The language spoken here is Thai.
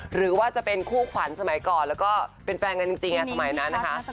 หรือว่าจะเป็นคู่ขวัญสมัยก่อนแล้วก็เป็นแฟนกันจริงสมัยนั้นนะคะ